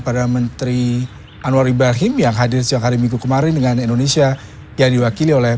pada menteri anwar ibrahim yang hadir sejak hari minggu kemarin dengan indonesia yang diwakili oleh